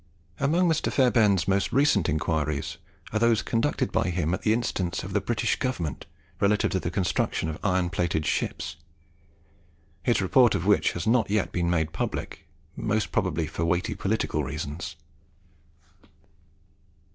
Among Mr. Fairbairn's most recent, inquiries are those conducted by him at the instance of the British Government relative to the construction of iron plated ships, his report of which has not yet been made public, most probably for weighty political reasons.